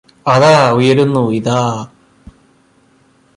അതാ ഉയരുന്നു ഇതാ